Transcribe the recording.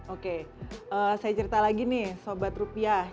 oke saya cerita lagi nih sobat rupiah